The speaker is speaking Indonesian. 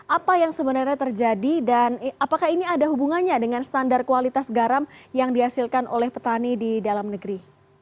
apa yang sebenarnya terjadi dan apakah ini ada hubungannya dengan standar kualitas garam yang dihasilkan oleh petani di dalam negeri